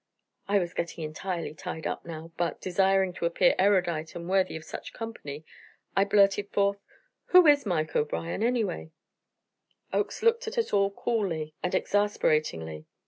'" I was getting entirely tied up now, but, desiring to appear erudite and worthy of such company, I blurted forth: "Who is Mike O'Brien, anyway?" Oakes looked at us all coolly and exasperatingly.